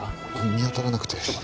見当たらなくてちょ